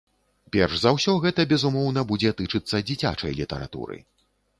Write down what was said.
Перш за ўсё гэта, безумоўна, будзе тычыцца дзіцячай літаратуры.